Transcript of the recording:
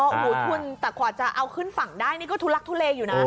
โอ้โหทุนแต่กว่าจะเอาขึ้นฝั่งได้นี่ก็ทุลักทุเลอยู่นะ